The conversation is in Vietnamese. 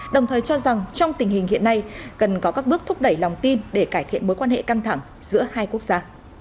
đồng thời cho rằng trong tình hình hiện nay cần có các bước thúc đẩy lòng tin để cải thiện mối quan hệ căng thẳng giữa hai quốc gia